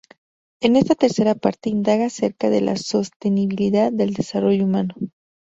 En esta tercera parte indaga acerca de la sostenibilidad del desarrollo humano.